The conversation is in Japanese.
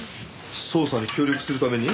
捜査に協力するために？